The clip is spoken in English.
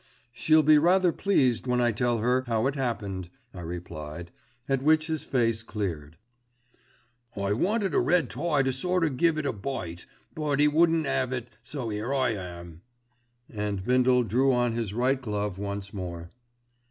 "She'll be rather pleased when I tell her how it happened," I replied, at which his face cleared. "I wanted a red tie to sort o' give it a bite; but 'e wouldn't 'ave it, so 'ere I am," and Bindle drew on his right glove once more.